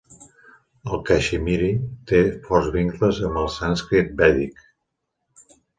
El caixmiri té forts vincles amb el sànscrit vèdic.